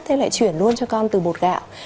thế lại chuyển luôn cho con từ bột gạo